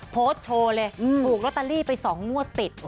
โพสต์โชว์เลยถูกลอตเตอรี่ไป๒งวดติด